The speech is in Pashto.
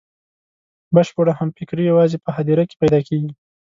بشپړه همفکري یوازې په هدیره کې پیدا کېدای شي.